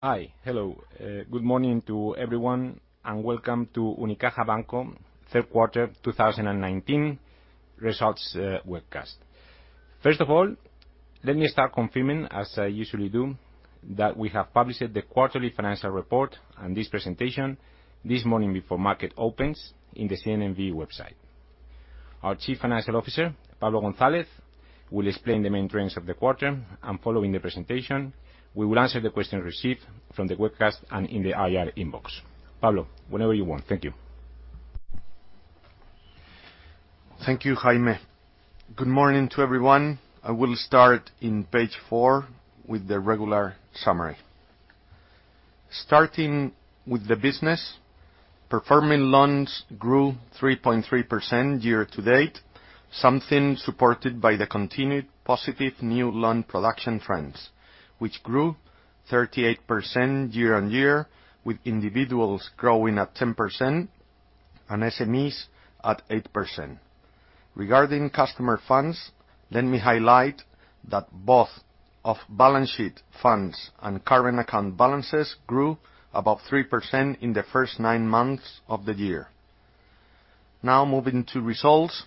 Hi. Hello. Good morning to everyone, and welcome to Unicaja Banco third quarter 2019 results webcast. First of all, let me start confirming, as I usually do, that we have published the quarterly financial report and this presentation this morning before market opens in the CNMV website. Our Chief Financial Officer, Pablo González, will explain the main trends of the quarter, and following the presentation, we will answer the question received from the webcast and in the IR inbox. Pablo, whenever you want. Thank you. Thank you, Jaime. Good morning to everyone. I will start on page four with the regular summary. Starting with the business, performing loans grew 3.3% year to date, something supported by the continued positive new loan production trends, which grew 38% year-on-year, with individuals growing at 10% and SMEs at 8%. Regarding customer funds, let me highlight that both off-balance sheet funds and current account balances grew above 3% in the first nine months of the year. Now moving to results.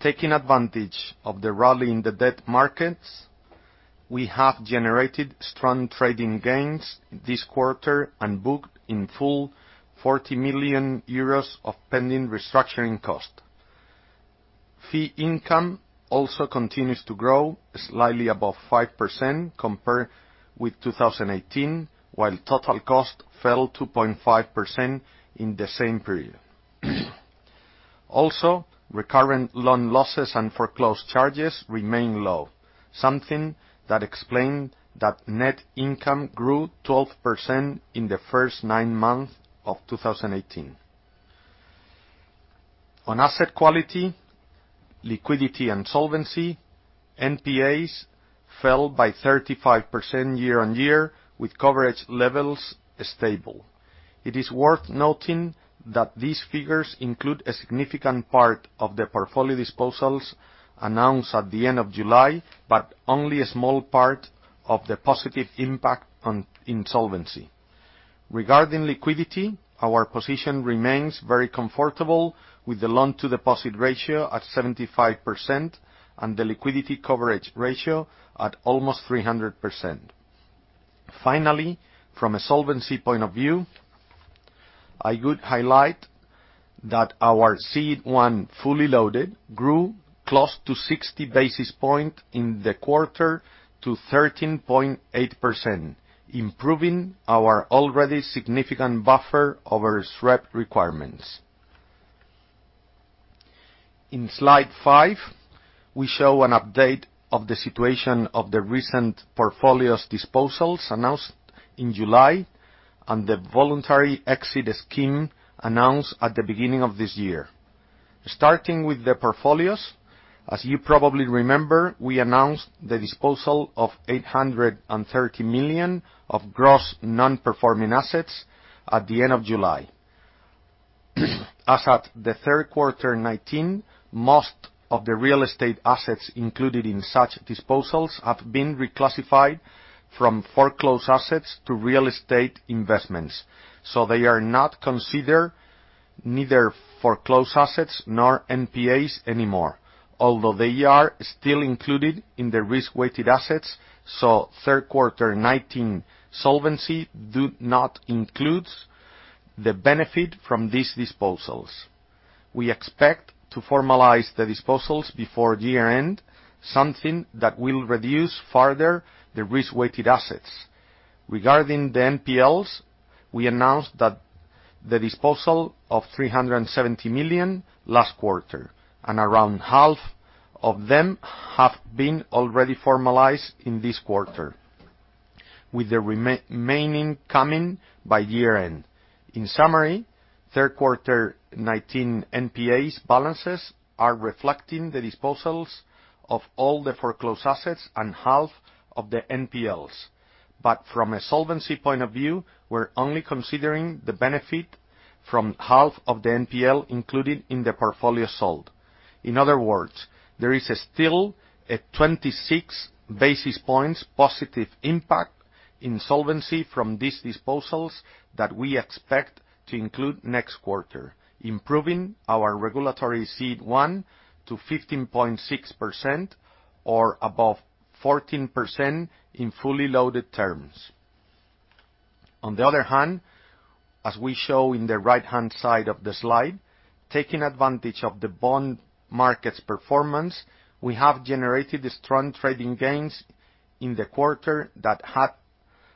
Taking advantage of the rally in the debt markets, we have generated strong trading gains this quarter and booked in full 40 million euros of pending restructuring cost. Fee income also continues to grow slightly above 5% compared with 2018, while total cost fell 2.5% in the same period. Recurrent loan losses and foreclose charges remain low, something that explained that net income grew 12% in the first nine months of 2018. On asset quality, liquidity, and solvency, NPAs fell by 35% year-on-year with coverage levels stable. It is worth noting that these figures include a significant part of the portfolio disposals announced at the end of July, but only a small part of the positive impact on insolvency. Regarding liquidity, our position remains very comfortable with the loan-to-deposit ratio at 75% and the liquidity coverage ratio at almost 300%. From a solvency point of view, I would highlight that our CET1 fully loaded grew close to 60 basis points in the quarter to 13.8%, improving our already significant buffer over SREP requirements. In slide five, we show an update of the situation of the recent portfolios disposals announced in July and the voluntary exit scheme announced at the beginning of this year. Starting with the portfolios, as you probably remember, we announced the disposal of 830 million of gross non-performing assets at the end of July. As at the third quarter 2019, most of the real estate assets included in such disposals have been reclassified from foreclosed assets to real estate investments. They are not considered neither foreclosed assets nor NPAs anymore, although they are still included in the risk-weighted assets, so third quarter 2019 solvency do not include the benefit from these disposals. We expect to formalize the disposals before year-end, something that will reduce further the risk-weighted assets. Regarding the NPLs, we announced that the disposal of 370 million last quarter, and around half of them have been already formalized in this quarter, with the remaining coming by year-end. In summary, third quarter 2019 NPAs balances are reflecting the disposals of all the foreclosed assets and half of the NPLs. From a solvency point of view, we're only considering the benefit from half of the NPL included in the portfolio sold. In other words, there is still a 26 basis points positive impact in solvency from these disposals that we expect to include next quarter, improving our regulatory CET1 to 15.6% or above 14% in fully loaded terms. On the other hand, as we show in the right-hand side of the slide, taking advantage of the bond market's performance, we have generated strong trading gains in the quarter that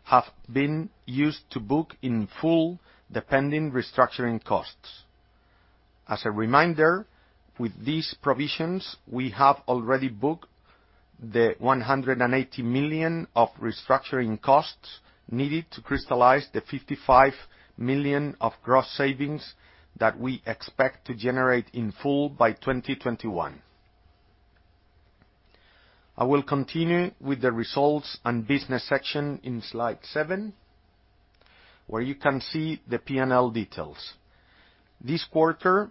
have been used to book in full the pending restructuring costs. As a reminder, with these provisions, we have already booked the 180 million of restructuring costs needed to crystallize the 55 million of gross savings that we expect to generate in full by 2021. I will continue with the results and business section in slide seven, where you can see the P&L details. This quarter,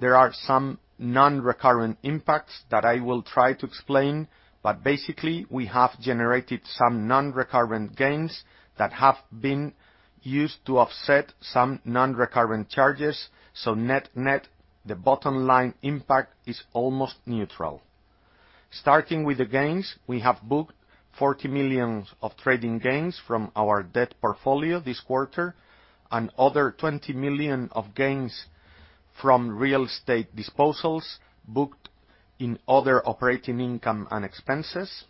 there are some non-recurrent impacts that I will try to explain, but basically, we have generated some non-recurrent gains that have been used to offset some non-recurrent charges. Net-net, the bottom line impact is almost neutral. Starting with the gains, we have booked 40 million of trading gains from our debt portfolio this quarter and other 20 million of gains from real estate disposals booked in other operating income and expenses.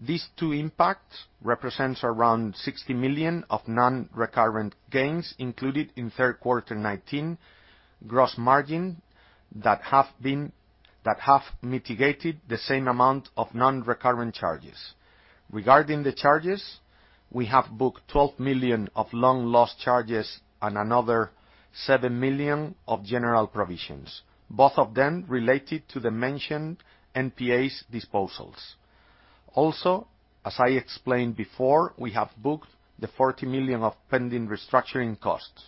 These two impacts represent around 60 million of non-recurrent gains included in third quarter 2019 gross margin that have mitigated the same amount of non-recurrent charges. Regarding the charges, we have booked 12 million of loan lost charges and another 7 million of general provisions, both of them related to the mentioned NPAs disposals. As I explained before, we have booked the 40 million of pending restructuring costs.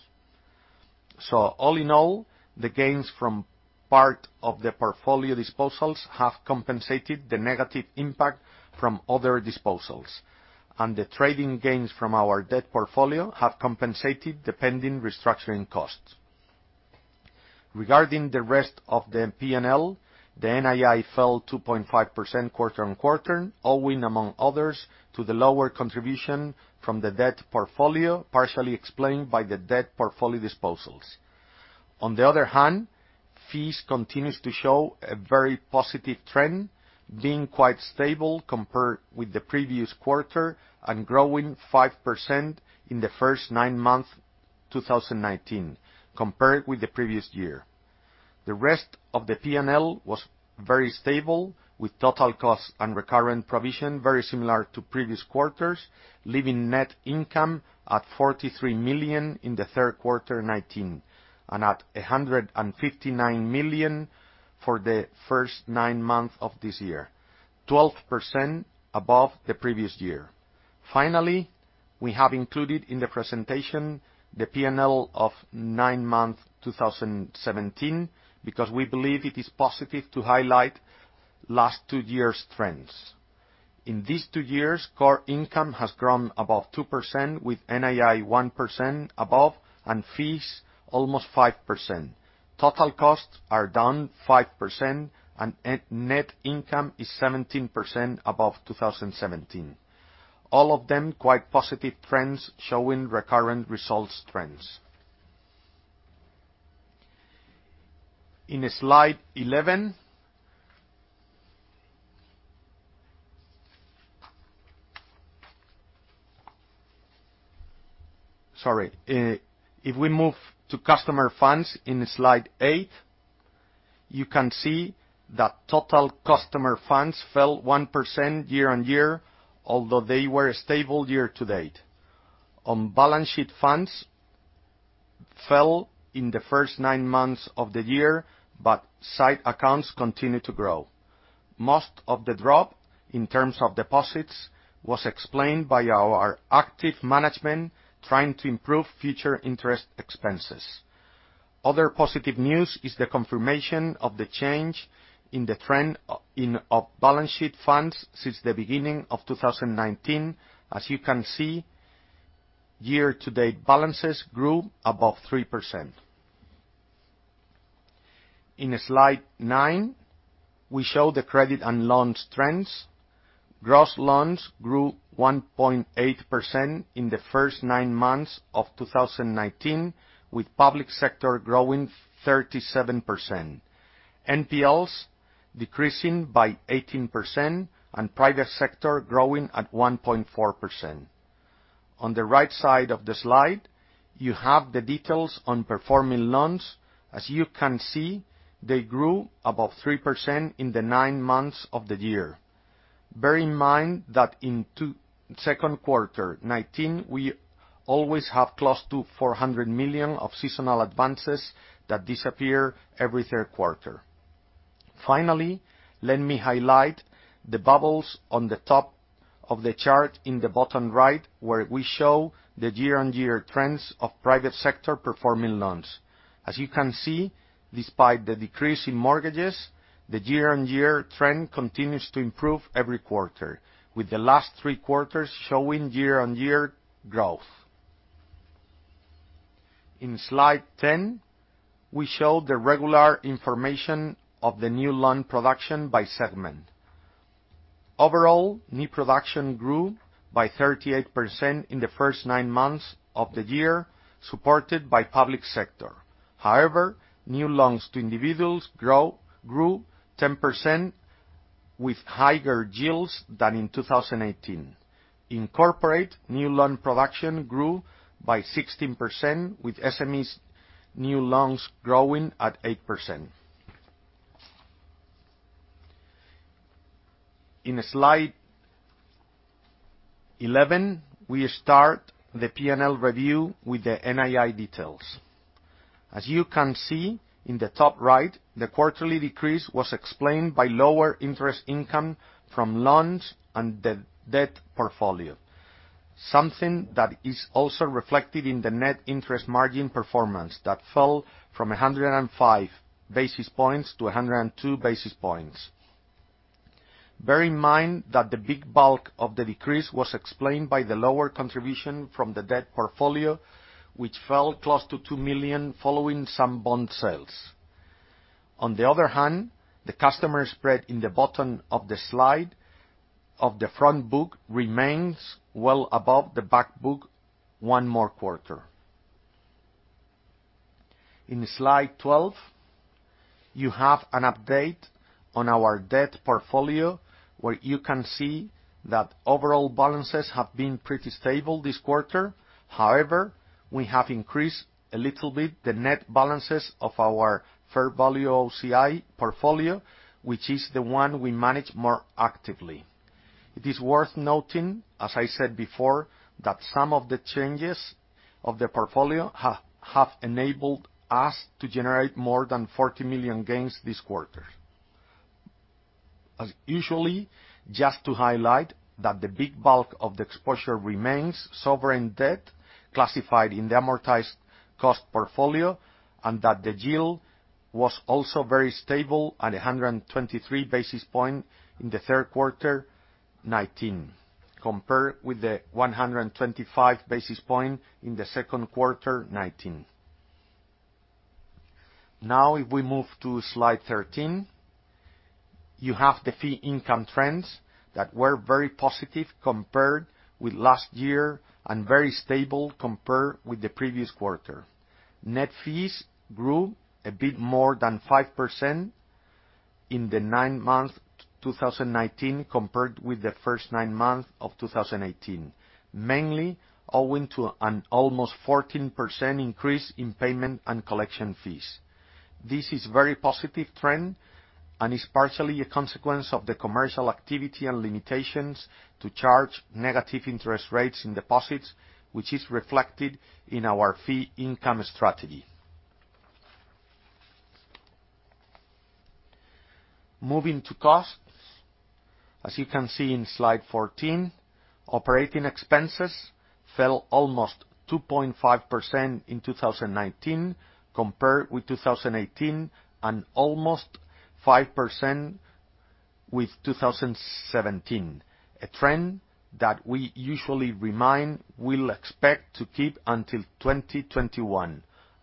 All in all, the gains from part of the portfolio disposals have compensated the negative impact from other disposals, and the trading gains from our debt portfolio have compensated the pending restructuring costs. Regarding the rest of the P&L, the NII fell 2.5% quarter on quarter, owing among others, to the lower contribution from the debt portfolio, partially explained by the debt portfolio disposals. On the other hand, fees continues to show a very positive trend, being quite stable compared with the previous quarter and growing 5% in the first nine months 2019, compared with the previous year. The rest of the P&L was very stable, with total cost and recurrent provision very similar to previous quarters, leaving net income at 43 million in the third quarter 2019, and at 159 million for the first nine months of this year, 12% above the previous year. Finally, we have included in the presentation the P&L of nine months 2017, because we believe it is positive to highlight last two years' trends. In these two years, core income has grown above 2%, with NII 1% above and fees almost 5%. Total costs are down 5%, and net income is 17% above 2017. All of them quite positive trends showing recurrent results trends. In slide 11. Sorry. If we move to customer funds in slide eight, you can see that total customer funds fell 1% year on year, although they were stable year to date. On balance sheet funds fell in the first nine months of the year, but sight accounts continued to grow. Most of the drop in terms of deposits was explained by our active management, trying to improve future interest expenses. Other positive news is the confirmation of the change in the trend of balance sheet funds since the beginning of 2019. As you can see, year-to-date balances grew above 3%. In slide nine, we show the credit and loans trends. Gross loans grew 1.8% in the first nine months of 2019, with public sector growing 37%. NPLs decreasing by 18%, private sector growing at 1.4%. On the right side of the slide, you have the details on performing loans. As you can see, they grew above 3% in the nine months of the year. Bear in mind that in second quarter 2019, we always have close to 400 million of seasonal advances that disappear every third quarter. Finally, let me highlight the bubbles on the top of the chart in the bottom right, where we show the year-on-year trends of private sector performing loans. As you can see, despite the decrease in mortgages, the year-on-year trend continues to improve every quarter, with the last three quarters showing year-on-year growth. In slide 10, we show the regular information of the new loan production by segment. Overall, new production grew by 38% in the first nine months of the year, supported by public sector. New loans to individuals grew 10% with higher yields than in 2018. Corporate, new loan production grew by 16%, with SMEs' new loans growing at 8%. In slide 11, we start the P&L review with the NII details. As you can see in the top right, the quarterly decrease was explained by lower interest income from loans and the debt portfolio. Something that is also reflected in the net interest margin performance that fell from 105 basis points to 102 basis points. Bear in mind that the big bulk of the decrease was explained by the lower contribution from the debt portfolio, which fell close to 2 million, following some bond sales. On the other hand, the customer spread in the bottom of the slide of the front book remains well above the back book one more quarter. In slide 12, you have an update on our debt portfolio, where you can see that overall balances have been pretty stable this quarter. However, we have increased, a little bit, the net balances of our fair value OCI portfolio, which is the one we manage more actively. It is worth noting, as I said before, that some of the changes of the portfolio have enabled us to generate more than 40 million gains this quarter. As usually, just to highlight, that the big bulk of the exposure remains sovereign debt, classified in the amortized cost portfolio, and that the yield was also very stable at 123 basis point in the third quarter 2019, compared with the 125 basis point in the second quarter 2019. Now, if we move to slide 13, you have the fee income trends that were very positive compared with last year and very stable compared with the previous quarter. Net fees grew a bit more than 5% in the nine months 2019 compared with the first nine months of 2018, mainly owing to an almost 14% increase in payment and collection fees. This is very positive trend and is partially a consequence of the commercial activity and limitations to charge negative interest rates in deposits, which is reflected in our fee income strategy. Moving to costs. As you can see in slide 14, operating expenses fell almost 2.5% in 2019 compared with 2018, and almost 5% with 2017. A trend that we usually remind we'll expect to keep until 2021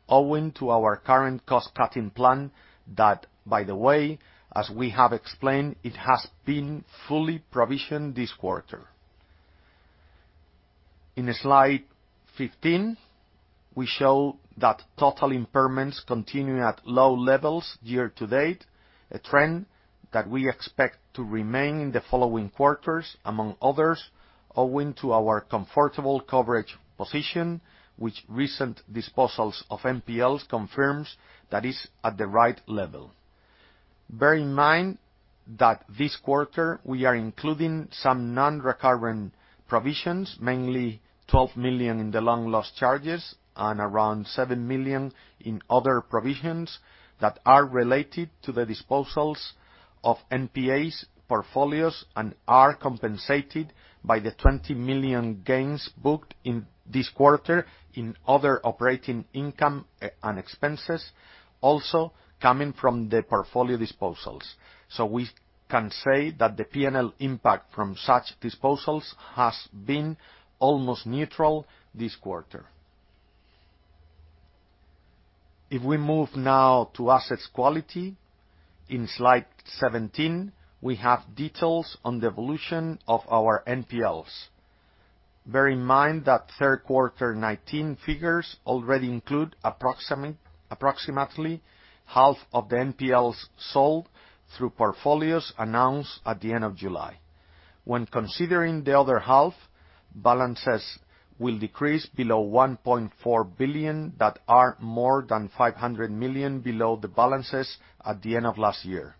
owing to our current cost-cutting plan that, by the way, as we have explained, it has been fully provisioned this quarter. In slide 15, we show that total impairments continue at low levels year to date, a trend that we expect to remain in the following quarters, among others, owing to our comfortable coverage position, which recent disposals of NPLs confirms that is at the right level. Bear in mind that this quarter, we are including some non-recurrent provisions, mainly 12 million in the loan loss charges and around 7 million in other provisions, that are related to the disposals of NPAs portfolios and are compensated by the 20 million gains booked in this quarter in other operating income and expenses, also coming from the portfolio disposals. We can say that the P&L impact from such disposals has been almost neutral this quarter. If we move now to asset quality. In slide 17, we have details on the evolution of our NPLs. Bear in mind that third quarter 2019 figures already include approximately half of the NPLs sold through portfolios announced at the end of July. When considering the other half, balances will decrease below 1.4 billion, that are more than 500 million below the balances at the end of last year.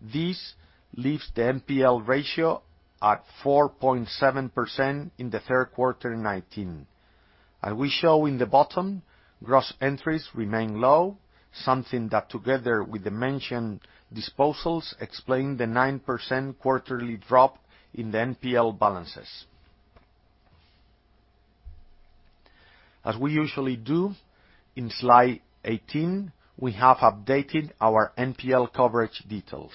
This leaves the NPL ratio at 4.7% in the third quarter 2019. As we show in the bottom, gross entries remain low, something that, together with the mentioned disposals, explain the 9% quarterly drop in the NPL balances. As we usually do, in slide 18, we have updated our NPL coverage details.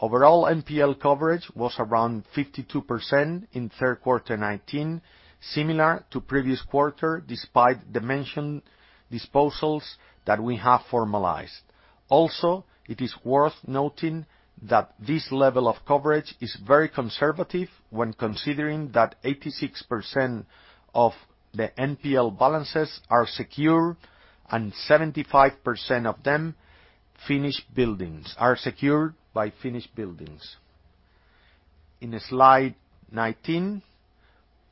Overall, NPL coverage was around 52% in third quarter 2019, similar to previous quarter, despite the mentioned disposals that we have formalized. Also, it is worth noting that this level of coverage is very conservative when considering that 86% of the NPL balances are secure and 75% of them are secured by finished buildings. In slide 19,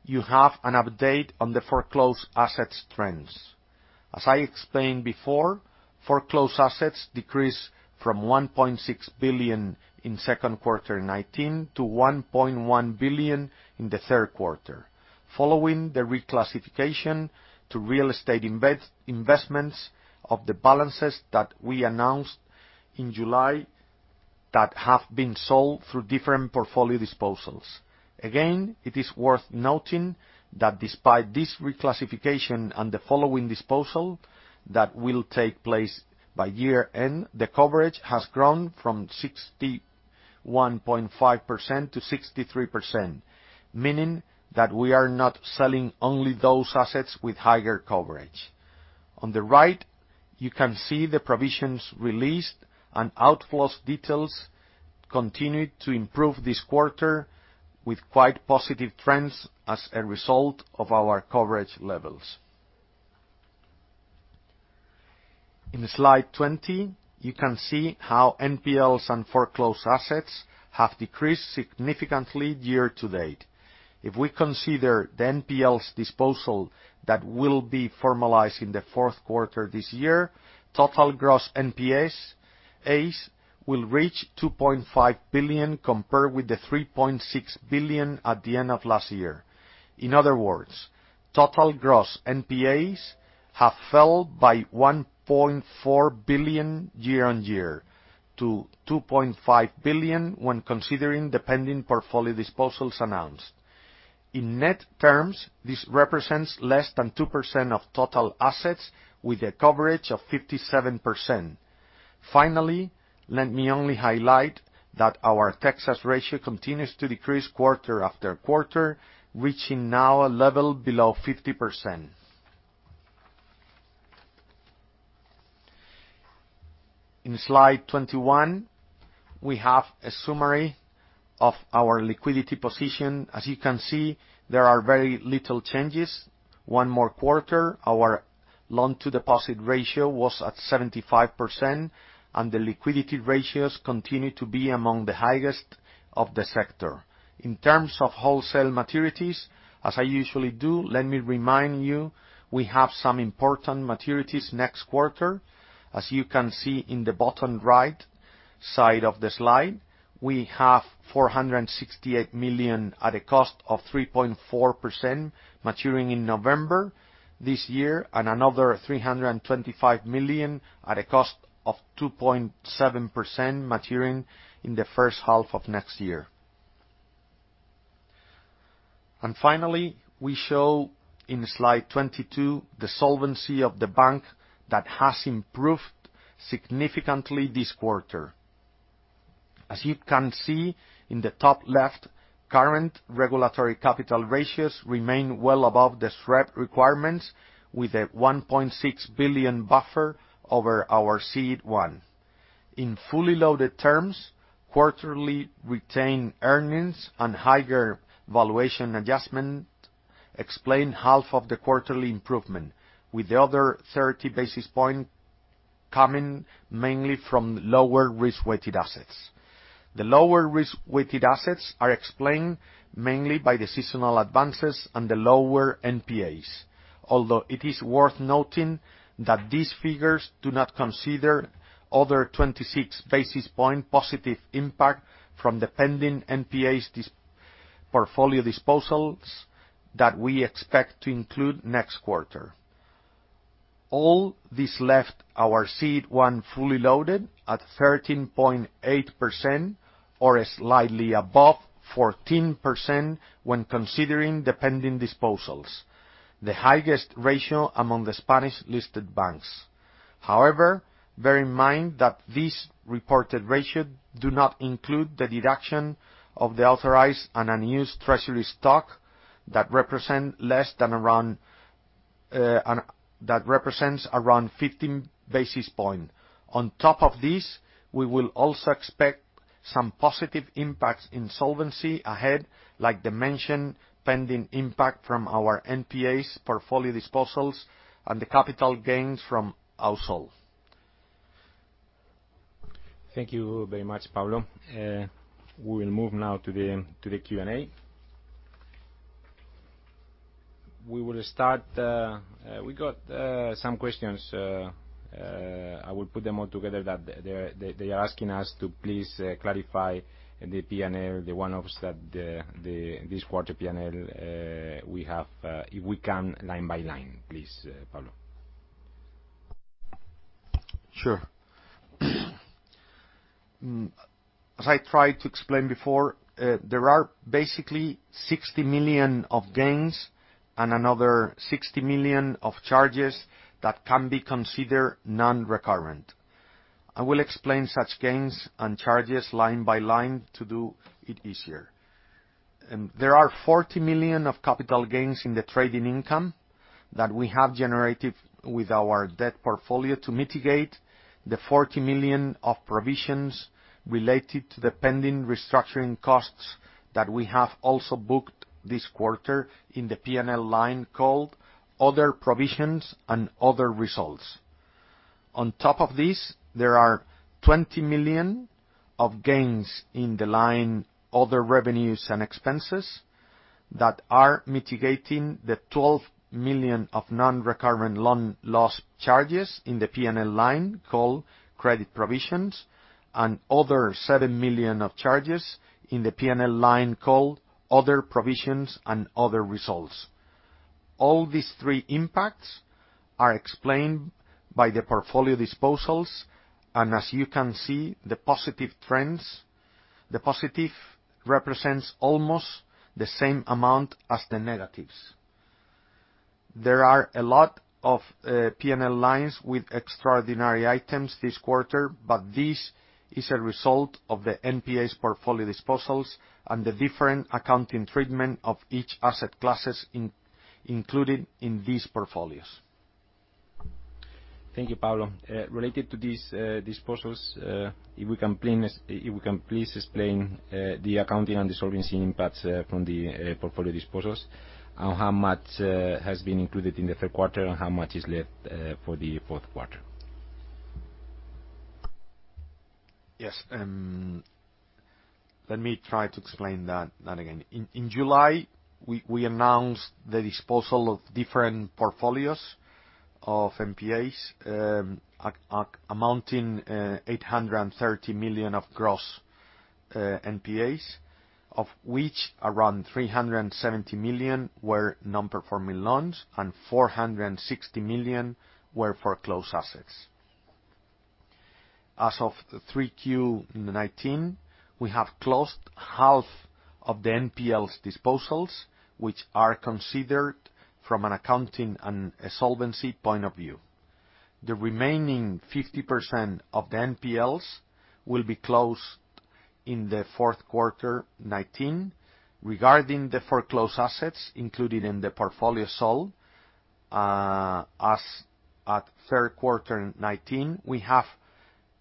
you have an update on the foreclosed assets trends. As I explained before, foreclosed assets decreased from 1.6 billion in second quarter 2019 to 1.1 billion in the third quarter, following the reclassification to real estate investments of the balances that we announced in July that have been sold through different portfolio disposals. Again, it is worth noting that despite this reclassification and the following disposal that will take place by year end, the coverage has grown from 61.5% to 63%, meaning that we are not selling only those assets with higher coverage. On the right, you can see the provisions released and outflows details continued to improve this quarter with quite positive trends as a result of our coverage levels. In slide 20, you can see how NPLs and foreclosed assets have decreased significantly year to date. If we consider the NPLs disposal that will be formalized in the fourth quarter this year, total gross NPAs will reach 2.5 billion, compared with the 3.6 billion at the end of last year. In other words, total gross NPAs have fell by 1.4 billion year-on-year to 2.5 billion when considering the pending portfolio disposals announced. In net terms, this represents less than 2% of total assets with a coverage of 57%. Finally, let me only highlight that our Texas ratio continues to decrease quarter after quarter, reaching now a level below 50%. In slide 21, we have a summary of our liquidity position. As you can see, there are very little changes. One more quarter, our loan-to-deposit ratio was at 75%, and the liquidity ratios continue to be among the highest of the sector. In terms of wholesale maturities, as I usually do, let me remind you, we have some important maturities next quarter. As you can see in the bottom right side of the slide, we have 468 million at a cost of 3.4% maturing in November this year, and another 325 million at a cost of 2.7% maturing in the first half of next year. Finally, we show in slide 22 the solvency of the bank that has improved significantly this quarter. As you can see in the top left, current regulatory capital ratios remain well above the SREP requirements, with a 1.6 billion buffer over our CET1. In fully loaded terms, quarterly retained earnings and higher valuation adjustment explain half of the quarterly improvement, with the other 30 basis point coming mainly from lower risk-weighted assets. The lower risk-weighted assets are explained mainly by the seasonal advances and the lower NPAs. Although it is worth noting that these figures do not consider other 26 basis point positive impact from the pending NPAs portfolio disposals that we expect to include next quarter. All this left our CET1 fully loaded at 13.8%, or slightly above 14% when considering the pending disposals, the highest ratio among the Spanish-listed banks. However, bear in mind that these reported ratio do not include the deduction of the authorized and unused treasury stock that represents around 15 basis point. On top of this, we will also expect some positive impacts in solvency ahead, like the mentioned pending impact from our NPAs portfolio disposals and the capital gains from Ausol. Thank you very much, Pablo. We will move now to the Q&A. We got some questions. I will put them all together. They are asking us to please clarify the P&L, the one-offs that this quarter P&L we have, if we can, line by line, please, Pablo. Sure. As I tried to explain before, there are basically 60 million of gains and another 60 million of charges that can be considered non-recurrent. I will explain such gains and charges line by line to do it easier. There are 40 million of capital gains in the trading income that we have generated with our debt portfolio to mitigate the 40 million of provisions related to the pending restructuring costs that we have also booked this quarter in the P&L line called Other Provisions and Other Results. On top of this, there are 20 million of gains in the line Other Revenues and Expenses that are mitigating the 12 million of non-recurrent loan loss charges in the P&L line called Credit Provisions, and other 7 million of charges in the P&L line called Other Provisions and Other Results. All these three impacts are explained by the portfolio disposals. As you can see, the positive trends, the positive represents almost the same amount as the negatives. There are a lot of P&L lines with extraordinary items this quarter, but this is a result of the NPAs portfolio disposals and the different accounting treatment of each asset classes included in these portfolios. Thank you, Pablo. Related to these disposals, if we can please explain the accounting and solvency impacts from the portfolio disposals, and how much has been included in the third quarter, and how much is left for the fourth quarter. Yes. Let me try to explain that again. In July, we announced the disposal of different portfolios of NPAs, amounting 830 million of gross NPAs, of which around 370 million were non-performing loans and 460 million were foreclosed assets. As of 3Q 2019, we have closed half of the NPLs disposals, which are considered from an accounting and a solvency point of view. The remaining 50% of the NPLs will be closed in the fourth quarter 2019. Regarding the foreclosed assets included in the portfolio sold, as at third quarter 2019,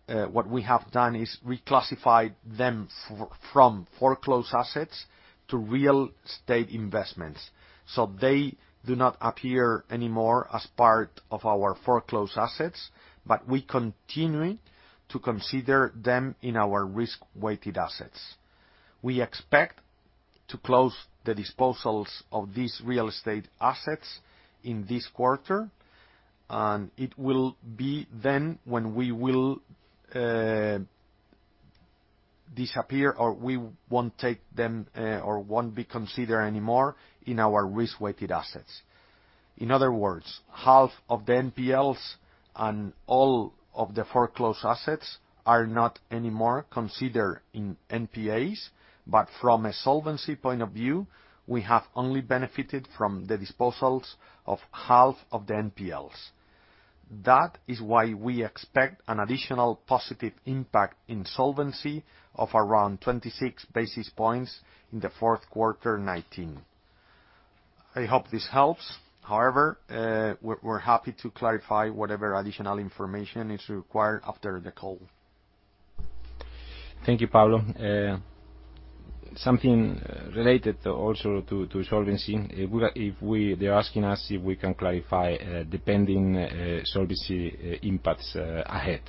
what we have done is reclassified them from foreclosed assets to real estate investments. They do not appear anymore as part of our foreclosed assets, but we continue to consider them in our risk-weighted assets. We expect to close the disposals of these real estate assets in this quarter, and it will be then when we will disappear, or we won't take them, or won't be considered anymore in our risk-weighted assets. In other words, half of the NPLs and all of the foreclosed assets are not anymore considered in NPAs. From a solvency point of view, we have only benefited from the disposals of half of the NPLs. That is why we expect an additional positive impact in solvency of around 26 basis points in the fourth quarter 2019. I hope this helps. We're happy to clarify whatever additional information is required after the call. Thank you, Pablo. Something related also to solvency. They're asking us if we can clarify depending solvency impacts ahead.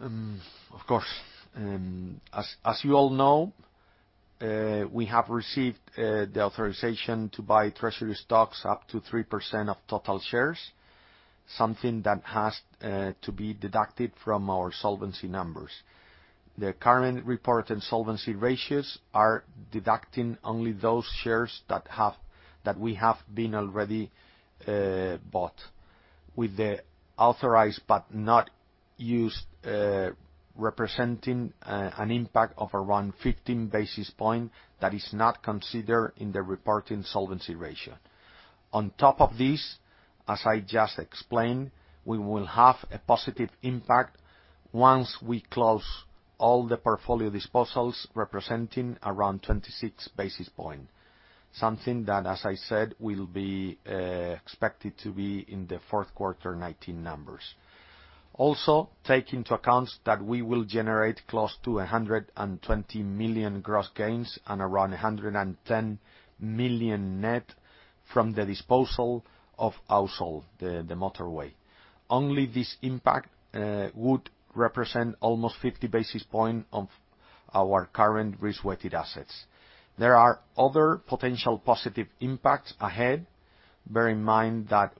Of course. As you all know, we have received the authorization to buy treasury stocks up to 3% of total shares, something that has to be deducted from our solvency numbers. The current reported solvency ratios are deducting only those shares that we have been already bought. With the authorized but not used, representing an impact of around 15 basis point that is not considered in the reporting solvency ratio. On top of this, as I just explained, we will have a positive impact once we close all the portfolio disposals, representing around 26 basis point. Something that, as I said, will be expected to be in the fourth quarter 2019 numbers. Also, take into account that we will generate close to 120 million gross gains and around 110 million net from the disposal of Ausol, the motorway. Only this impact would represent almost 50 basis points of our current risk-weighted assets. There are other potential positive impacts ahead. Bear in mind that,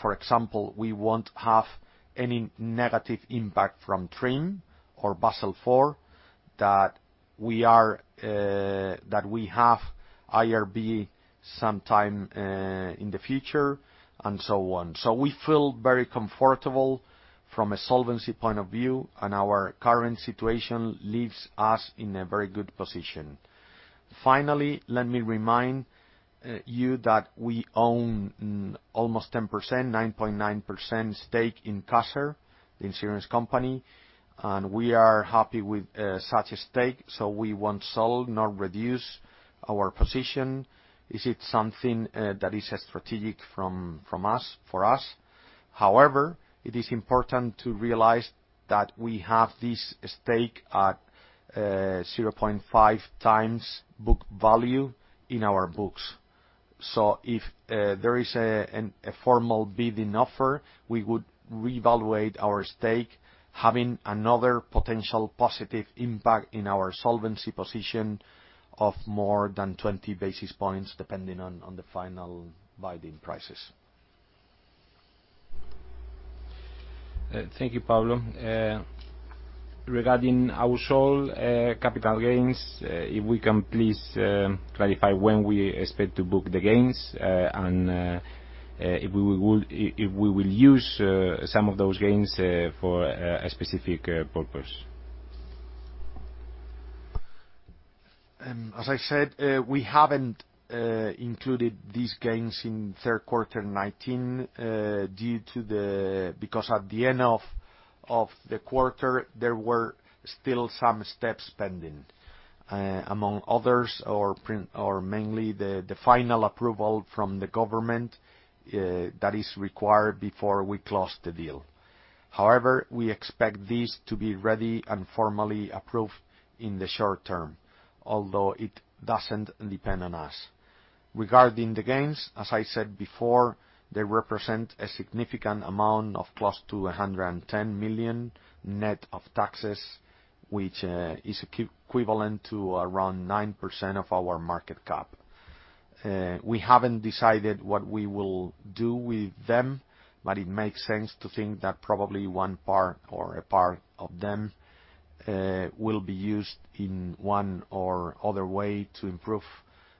for example, we won't have any negative impact from TRIM or Basel IV, that we have IRB sometime in the future, and so on. We feel very comfortable from a solvency point of view, and our current situation leaves us in a very good position. Finally, let me remind you that we own almost 10%, 9.9% stake in Caser, the insurance company, and we are happy with such a stake. We won't sell nor reduce our position. This is something that is strategic for us. However, it is important to realize that we have this stake at 0.5 times book value in our books. If there is a formal bidding offer, we would reevaluate our stake, having another potential positive impact in our solvency position of more than 20 basis points, depending on the final bidding prices. Thank you, Pablo. Regarding Ausol capital gains, if we can please clarify when we expect to book the gains, and if we will use some of those gains for a specific purpose. As I said, we haven't included these gains in third quarter 2019, because at the end of the quarter, there were still some steps pending. Among others, or mainly the final approval from the government that is required before we close the deal. We expect this to be ready and formally approved in the short term, although it doesn't depend on us. Regarding the gains, as I said before, they represent a significant amount of close to 110 million net of taxes, which is equivalent to around 9% of our market cap. We haven't decided what we will do with them, but it makes sense to think that probably one part or a part of them will be used in one or other way to improve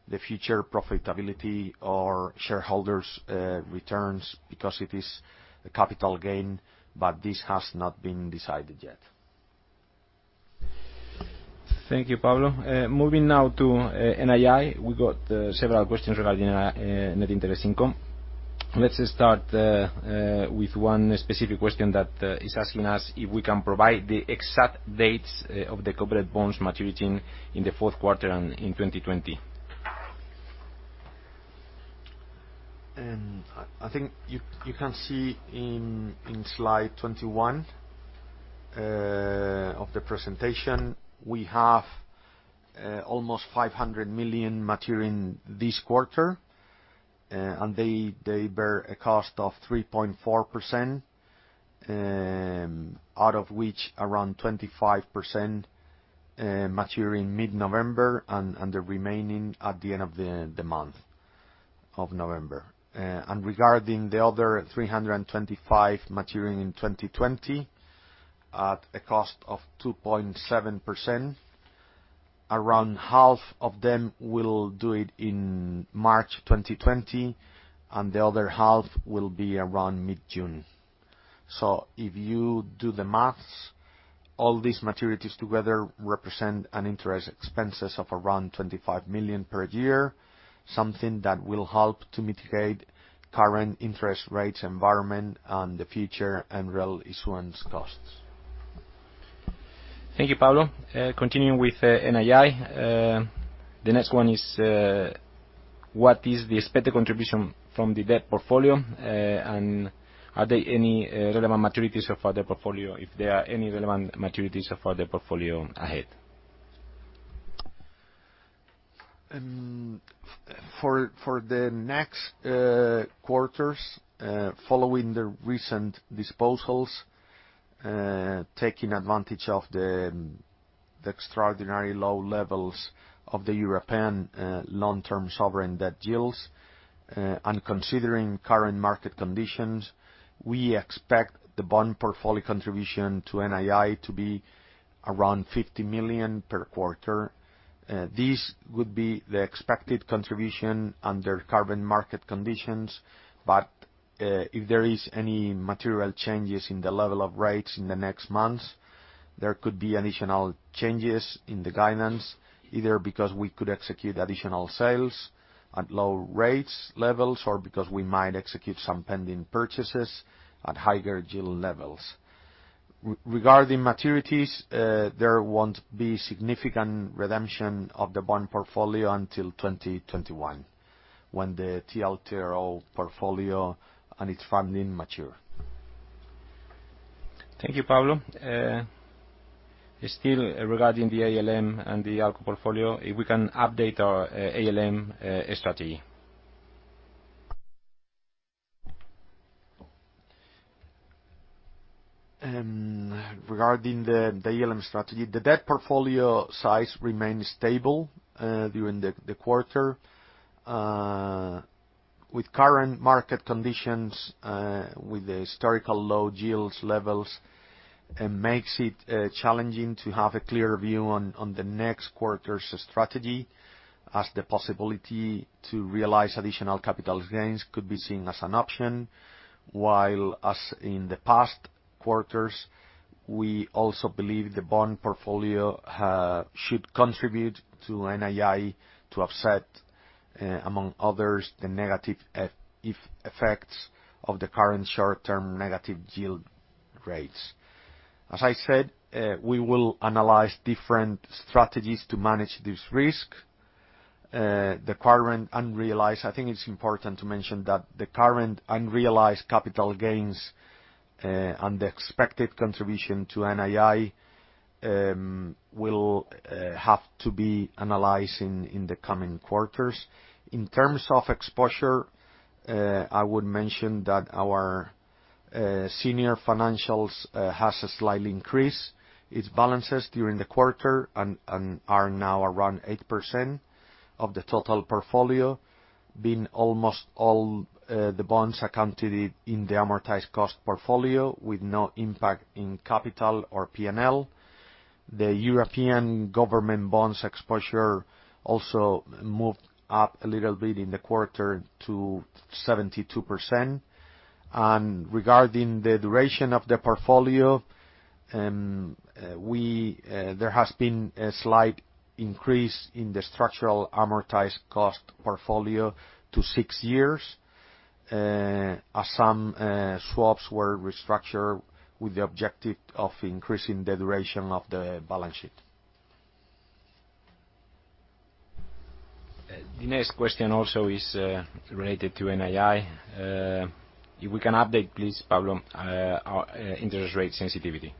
the future profitability or shareholders' returns, because it is a capital gain, but this has not been decided yet. Thank you, Pablo. Moving now to NII. We got several questions regarding net interest income. Let's start with one specific question that is asking us if we can provide the exact dates of the corporate bonds maturing in the fourth quarter and in 2020. I think you can see in slide 21 of the presentation, we have almost 500 million maturing this quarter, and they bear a cost of 3.4%, out of which around 25% mature in mid-November and the remaining at the end of the month of November. Regarding the other 325 maturing in 2020, at a cost of 2.7%, around half of them will do it in March 2020, and the other half will be around mid-June. If you do the math, all these maturities together represent an interest expenses of around 25 million per year, something that will help to mitigate current interest rates environment and the future and relevant costs. Thank you, Pablo. Continuing with NII. The next one is, what is the expected contribution from the debt portfolio? Are there any relevant maturities of other portfolio, if there are any relevant maturities of other portfolio ahead? For the next quarters, following the recent disposals, taking advantage of the extraordinary low levels of the European long-term sovereign debt yields, and considering current market conditions, we expect the bond portfolio contribution to NII to be around 50 million per quarter. This would be the expected contribution under current market conditions, if there is any material changes in the level of rates in the next months, there could be additional changes in the guidance, either because we could execute additional sales at low rates levels, or because we might execute some pending purchases at higher yield levels. Regarding maturities, there won't be significant redemption of the bond portfolio until 2021, when the TLTRO portfolio and its funding mature. Thank you, Pablo. Still regarding the ALM and the ALCO portfolio, if we can update our ALM strategy. Regarding the ALM strategy, the debt portfolio size remained stable during the quarter. With current market conditions, with the historical low yields levels, makes it challenging to have a clear view on the next quarter's strategy as the possibility to realize additional capital gains could be seen as an option, while as in the past quarters, we also believe the bond portfolio should contribute to NII to offset, among others, the negative effects of the current short-term negative yield rates. As I said, we will analyze different strategies to manage this risk. I think it's important to mention that the current unrealized capital gains and the expected contribution to NII will have to be analyzed in the coming quarters. In terms of exposure, I would mention that our senior financials has slightly increased its balances during the quarter and are now around 8% of the total portfolio, being almost all the bonds accounted in the amortized cost portfolio with no impact in capital or P&L. The European government bonds exposure also moved up a little bit in the quarter to 72%. Regarding the duration of the portfolio, there has been a slight increase in the structural amortized cost portfolio to six years, as some swaps were restructured with the objective of increasing the duration of the balance sheet. The next question also is related to NII. If we can update please, Pablo, our interest rate sensitivity?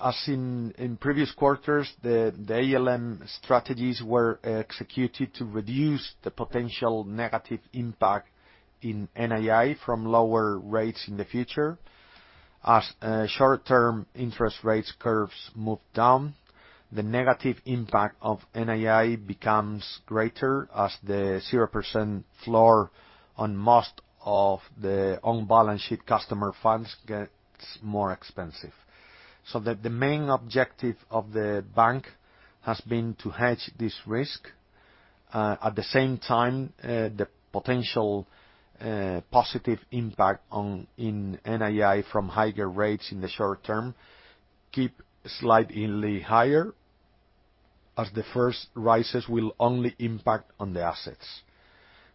As in previous quarters, the ALM strategies were executed to reduce the potential negative impact in NII from lower rates in the future. As short-term interest rates curves move down, the negative impact of NII becomes greater, as the 0% floor on most of the on-balance sheet customer funds gets more expensive. The main objective of the bank has been to hedge this risk. At the same time, the potential positive impact in NII from higher rates in the short term keep slightly higher, as the first rises will only impact on the assets.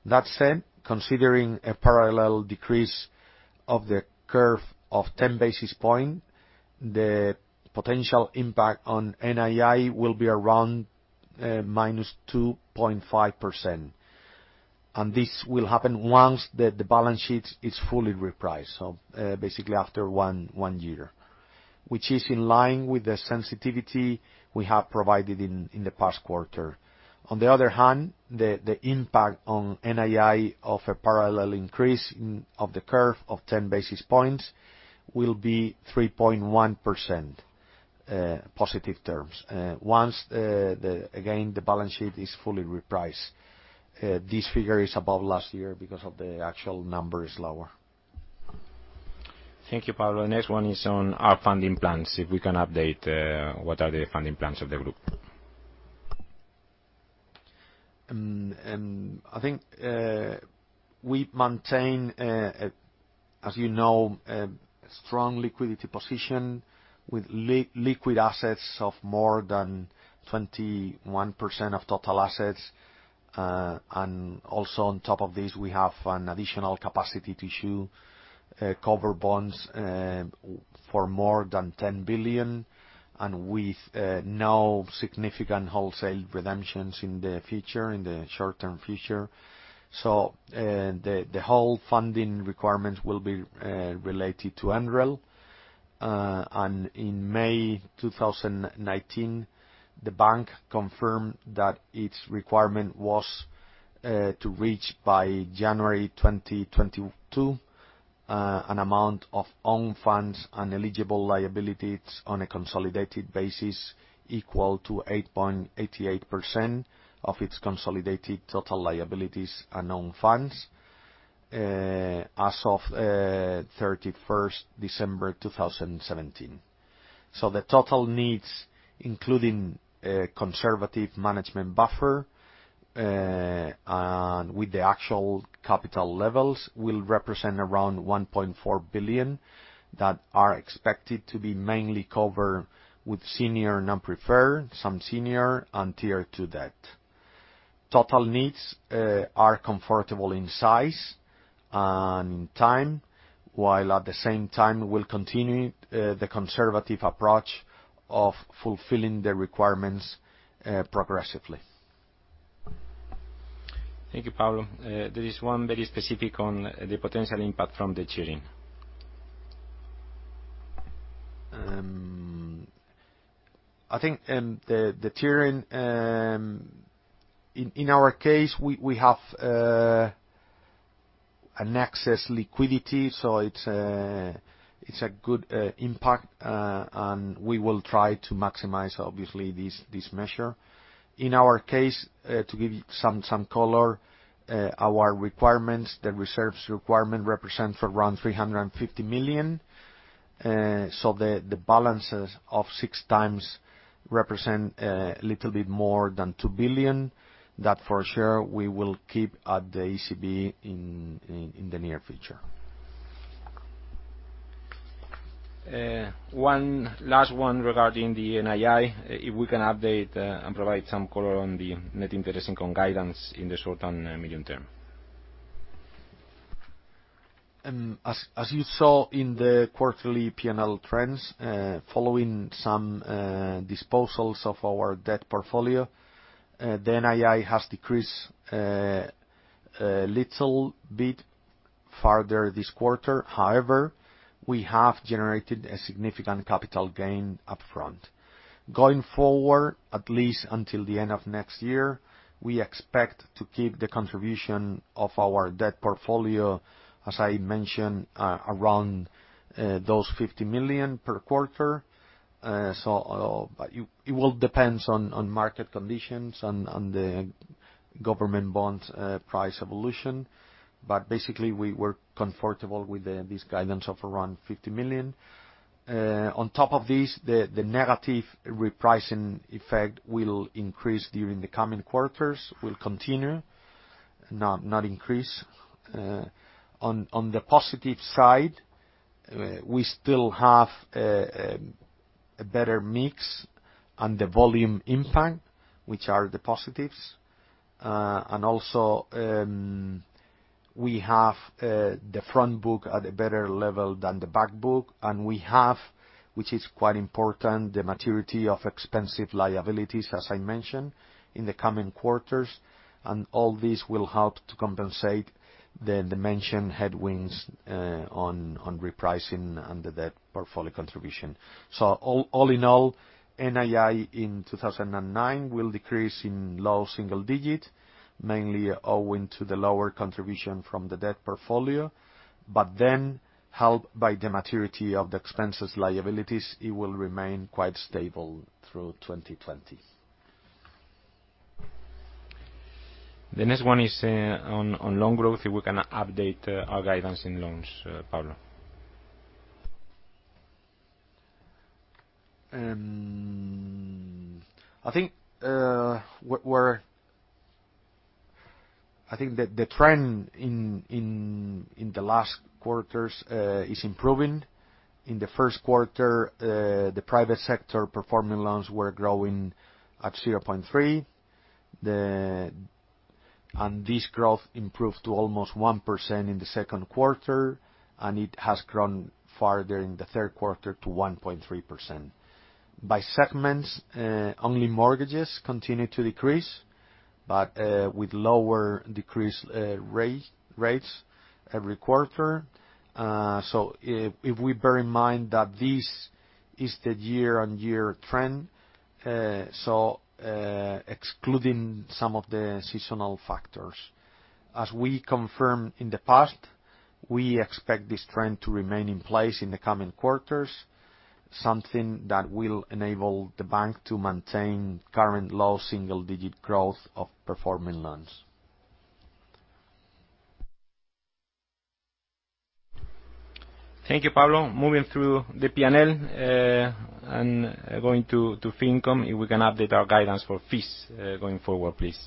That said, considering a parallel decrease of the curve of 10 basis point, the potential impact on NII will be around -2.5%. This will happen once the balance sheet is fully repriced, so basically after one year, which is in line with the sensitivity we have provided in the past quarter. On the other hand, the impact on NII of a parallel increase of the curve of 10 basis points will be 3.1% positive terms. Once, again, the balance sheet is fully repriced. This figure is above last year because of the actual number is lower. Thank you, Pablo. Next one is on our funding plans. If we can update what are the funding plans of the group? I think we maintain, as you know, a strong liquidity position with liquid assets of more than 21% of total assets. Also on top of this, we have an additional capacity to issue covered bonds for more than 10 billion, with no significant wholesale redemptions in the short-term future. The whole funding requirements will be related to MREL. In May 2019, the bank confirmed that its requirement was to reach by January 2022 an amount of own funds and eligible liabilities on a consolidated basis equal to 8.88% of its consolidated total liabilities and own funds as of 31st December 2017. The total needs, including a conservative management buffer, and with the actual capital levels, will represent around 1.4 billion that are expected to be mainly covered with senior non-preferred, some senior and Tier 2 debt. Total needs are comfortable in size and in time, while at the same time we'll continue the conservative approach of fulfilling the requirements progressively. Thank you, Pablo. There is one very specific on the potential impact from the tiering. I think the tiering, in our case, we have an excess liquidity, so it's a good impact, and we will try to maximize obviously this measure. In our case, to give you some color, our requirements, the reserves requirement represent for around 350 million. The balances of six times represent a little bit more than 2 billion. That for sure we will keep at the ECB in the near future. One last one regarding the NII. If we can update and provide some color on the net interest income guidance in the short and medium term. As you saw in the quarterly P&L trends, following some disposals of our debt portfolio, the NII has decreased a little bit further this quarter. However, we have generated a significant capital gain upfront. Going forward, at least until the end of next year, we expect to keep the contribution of our debt portfolio, as I mentioned, around those 50 million per quarter. It will depends on market conditions and on the government bond price evolution. Basically, we were comfortable with this guidance of around 50 million. On top of this, the negative repricing effect will increase during the coming quarters, will continue, not increase. On the positive side, we still have a better mix on the volume impact, which are the positives. Also, we have the front book at a better level than the back book. We have, which is quite important, the maturity of expensive liabilities, as I mentioned, in the coming quarters. All this will help to compensate the mentioned headwinds on repricing under the debt portfolio contribution. All in all, NII in 2019 will decrease in low single digits, mainly owing to the lower contribution from the debt portfolio, but then helped by the maturity of the expensive liabilities, it will remain quite stable through 2020. The next one is on loan growth, if we can update our guidance in loans, Pablo. I think that the trend in the last quarters is improving. In the first quarter, the private sector performing loans were growing at 0.3, and this growth improved to almost 1% in the second quarter, and it has grown further in the third quarter to 1.3%. By segments, only mortgages continue to decrease, but with lower decrease rates every quarter. If we bear in mind that this is the year-on-year trend, so excluding some of the seasonal factors. As we confirmed in the past, we expect this trend to remain in place in the coming quarters, something that will enable the bank to maintain current low single-digit growth of performing loans. Thank you, Pablo. Moving through the P&L, and going to fee income, if we can update our guidance for fees going forward, please.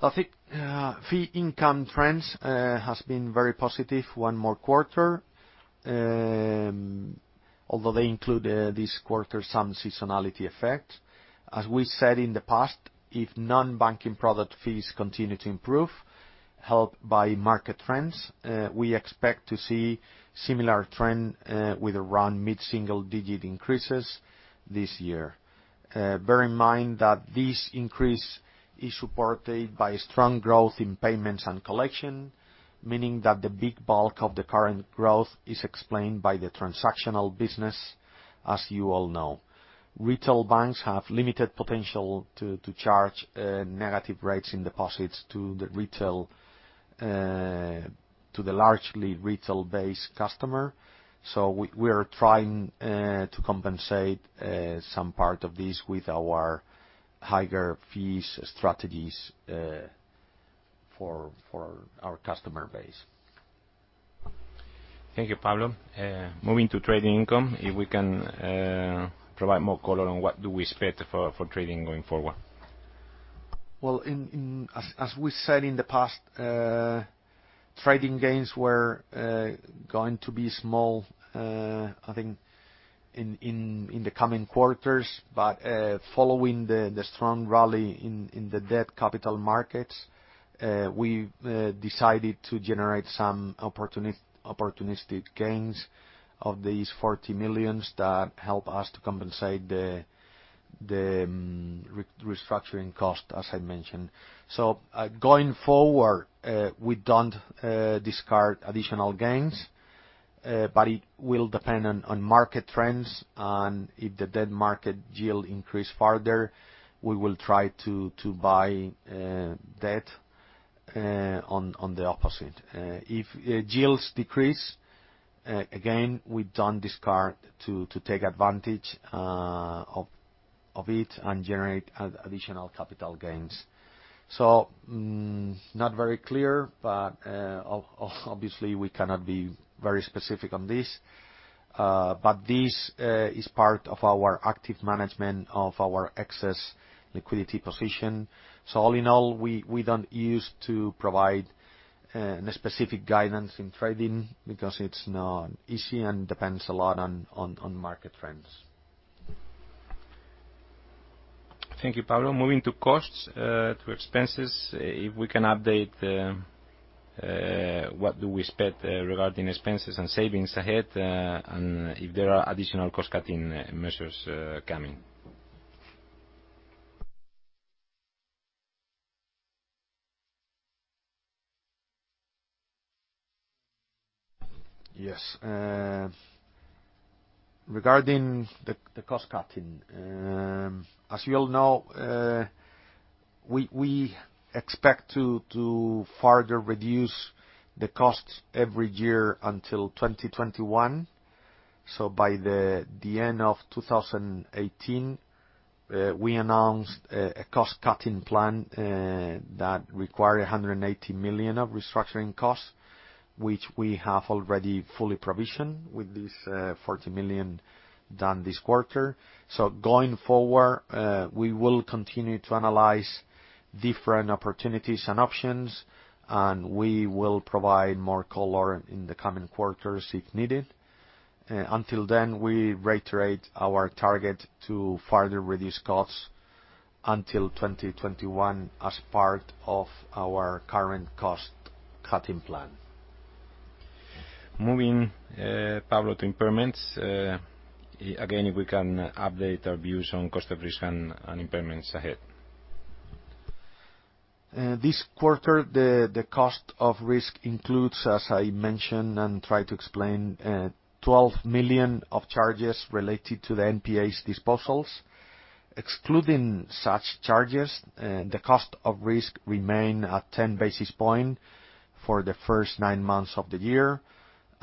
I think fee income trends has been very positive one more quarter, although they include this quarter some seasonality effect. As we said in the past, if non-banking product fees continue to improve, helped by market trends, we expect to see similar trend with around mid-single-digit increases this year. Bear in mind that this increase is supported by strong growth in payments and collection, meaning that the big bulk of the current growth is explained by the transactional business, as you all know. Retail banks have limited potential to charge negative rates in deposits to the largely retail-based customer. We are trying to compensate some part of this with our higher fees strategies for our customer base. Thank you, Pablo. Moving to trading income, if we can provide more color on what do we expect for trading going forward. Well, as we said in the past, trading gains were going to be small, I think, in the coming quarters. Following the strong rally in the debt capital markets, we decided to generate some opportunistic gains of these 40 million that help us to compensate the restructuring cost, as I mentioned. Going forward, we don't discard additional gains, but it will depend on market trends, and if the debt market yield increase further, we will try to buy debt on the opposite. If yields decrease, again, we don't discard to take advantage of it and generate additional capital gains. Not very clear, but obviously we cannot be very specific on this. This is part of our active management of our excess liquidity position. All in all, we don't use to provide a specific guidance in trading because it's not easy and depends a lot on market trends. Thank you, Pablo. Moving to costs, to expenses, if we can update what do we expect regarding expenses and savings ahead. If there are additional cost-cutting measures coming. Yes. Regarding the cost-cutting, as you all know, we expect to further reduce the cost every year until 2021. By the end of 2018, we announced a cost-cutting plan that required 180 million of restructuring costs, which we have already fully provisioned with this 40 million done this quarter. Going forward, we will continue to analyze different opportunities and options, and we will provide more color in the coming quarters if needed. Until then, we reiterate our target to further reduce costs until 2021 as part of our current cost-cutting plan. Moving, Pablo, to impairments. Again, if we can update our views on cost of risk and impairments ahead. This quarter, the cost of risk includes, as I mentioned and tried to explain, 12 million of charges related to the NPAs disposals. Excluding such charges, the cost of risk remained at 10 basis points for the first nine months of the year.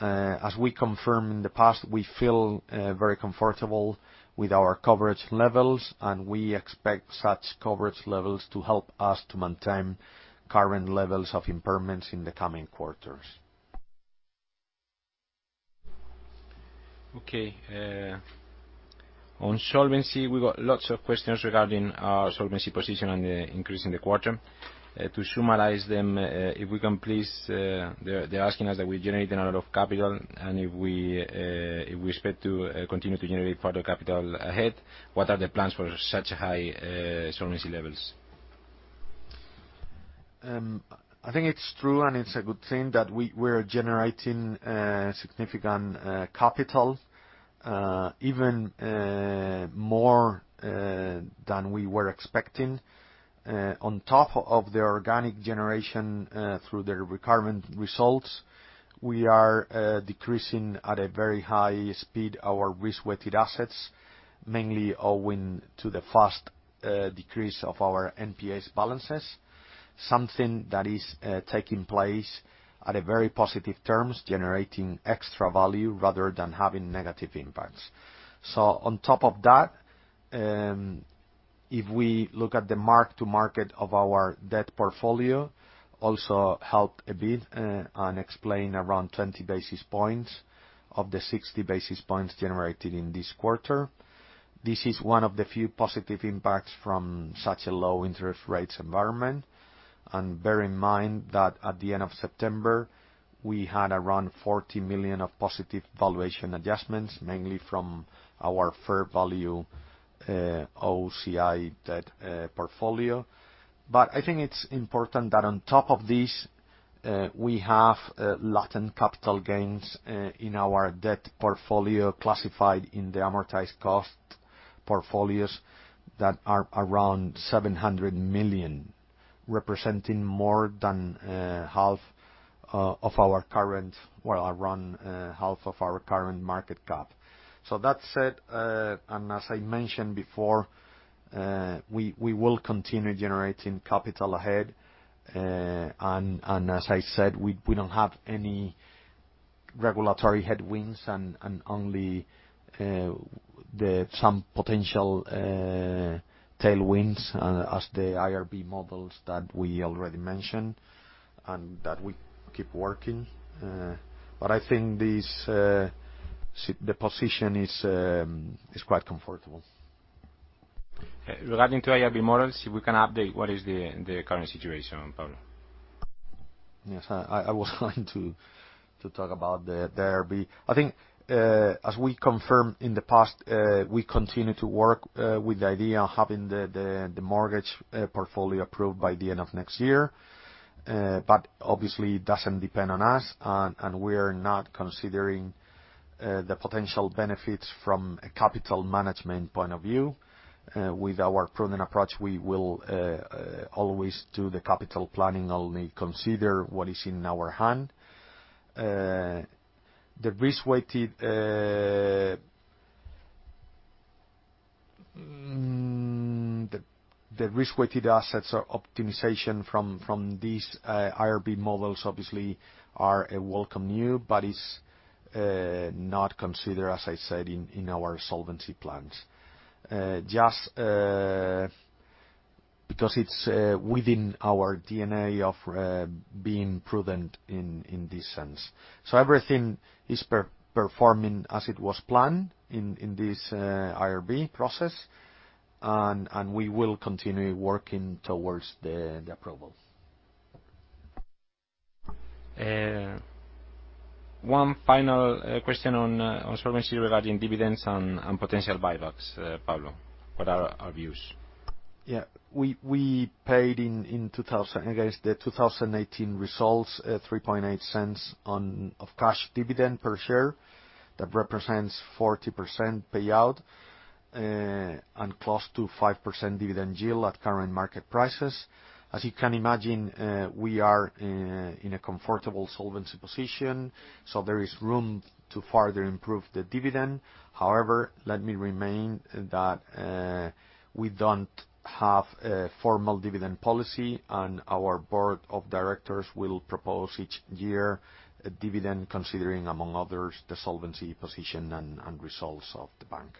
As we confirmed in the past, we feel very comfortable with our coverage levels, and we expect such coverage levels to help us to maintain current levels of impairments in the coming quarters. Okay. On solvency, we got lots of questions regarding our solvency position and the increase in the quarter. To summarize them, if we can please, they're asking us that we're generating a lot of capital, and if we expect to continue to generate further capital ahead, what are the plans for such high solvency levels? I think it's true, and it's a good thing that we're generating significant capital, even more than we were expecting. On top of the organic generation through the requirement results, we are decreasing at a very high speed our risk-weighted assets, mainly owing to the fast decrease of our NPAs balances, something that is taking place at a very positive terms, generating extra value rather than having negative impacts. On top of that, if we look at the mark-to-market of our debt portfolio, also helped a bit and explain around 20 basis points of the 60 basis points generated in this quarter. This is one of the few positive impacts from such a low interest rates environment. Bear in mind that at the end of September, we had around 40 million of positive valuation adjustments, mainly from our fair value OCI debt portfolio. I think it's important that on top of this, we have latent capital gains in our debt portfolio classified in the amortized cost portfolios that are around 700 million, representing more than half of our current, well, around half of our current market cap. That said, as I mentioned before, we will continue generating capital ahead. As I said, we don't have any regulatory headwinds and only some potential tailwinds as the IRB models that we already mentioned and that we keep working. I think the position is quite comfortable. Regarding to IRB models, if we can update what is the current situation, Pablo. Yes. I was going to talk about the IRB. I think, as we confirmed in the past, we continue to work with the idea of having the mortgage portfolio approved by the end of next year. Obviously, it doesn't depend on us, and we are not considering the potential benefits from a capital management point of view. With our prudent approach, we will always do the capital planning, only consider what is in our hand. The risk-weighted assets optimization from these IRB models obviously are a welcome new, but it's not considered, as I said, in our solvency plans. Just because it's within our DNA of being prudent in this sense. Everything is performing as it was planned in this IRB process, and we will continue working towards the approval. One final question on solvency regarding dividends and potential buybacks, Pablo. What are our views? Yeah. We paid against the 2018 results, 0.0380 of cash dividend per share. That represents 40% payout and close to 5% dividend yield at current market prices. As you can imagine, we are in a comfortable solvency position, so there is room to further improve the dividend. However, let me remind that we don't have a formal dividend policy, and our board of directors will propose each year a dividend considering, among others, the solvency position and results of the bank.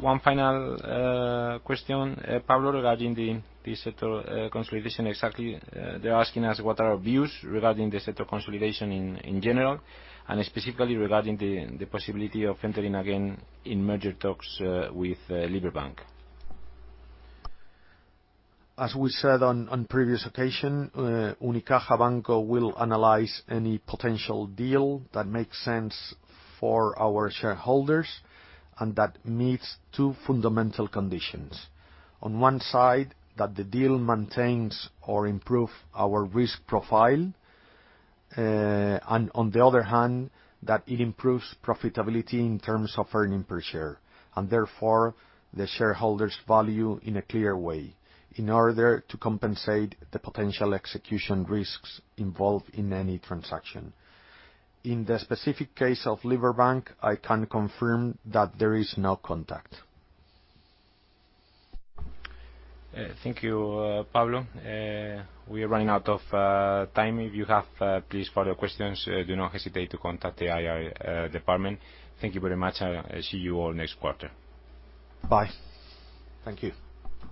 One final question, Pablo, regarding the sector consolidation exactly. They're asking us what are our views regarding the sector consolidation in general, and specifically regarding the possibility of entering again in merger talks with Liberbank. As we said on previous occasion, Unicaja Banco will analyze any potential deal that makes sense for our shareholders and that meets two fundamental conditions. On one side, that the deal maintains or improve our risk profile. On the other hand, that it improves profitability in terms of earning per share, and therefore, the shareholders' value in a clear way in order to compensate the potential execution risks involved in any transaction. In the specific case of Liberbank, I can confirm that there is no contact. Thank you, Pablo. We are running out of time. If you have, please, further questions, do not hesitate to contact the IR department. Thank you very much. I'll see you all next quarter. Bye. Thank you.